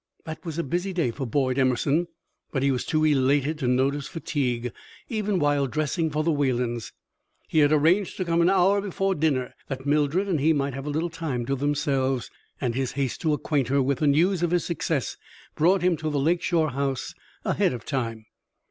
That was a busy day for Boyd Emerson, but he was too elated to notice fatigue, even while dressing for the Waylands'. He had arranged to come an hour before dinner, that Mildred and he might have a little time to themselves, and his haste to acquaint her with the news of his success brought him to the Lake Shore house ahead of time.